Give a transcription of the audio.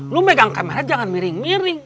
lu megang kamera jangan miring miring